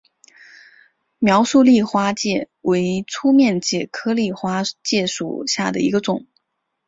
苗栗丽花介为粗面介科丽花介属下的一个种。